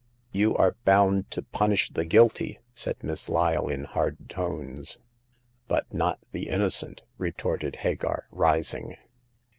You are bound to punish the guilty !" said Miss Lyle, in hard tones. But not the innocent,*' retorted Hagar, rising.